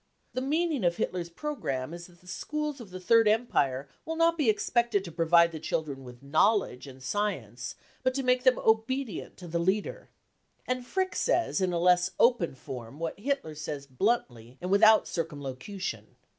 The meaning of Hitler's programme is that the schools of the 44 Third Empire " will not be expected to |||; provide the children with knowledge and science, but to make them obedient to the leader. And Frick says in a less open form what Hitler says bluntly and without circum locution.